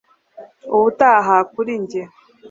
Ubutaha kuri njye